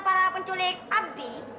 para penculik abi